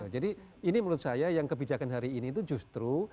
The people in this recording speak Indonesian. jadi ini menurut saya yang kebijakan hari ini itu justru